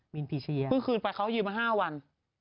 มีนพีชเชียร์นะครับเพิ่งคืนไปเขายืนมา๕วัน